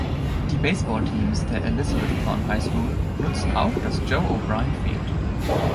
Die Baseballteams der Elizabethton High School nutzen auch das Joe O'Brien Field.